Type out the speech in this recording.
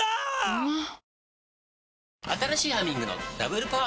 うまっ！！